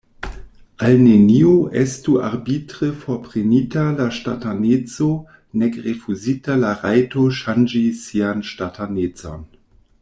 Al neniu estu arbitre forprenita la ŝtataneco, nek rifuzita la rajto ŝanĝi sian ŝtatanecon.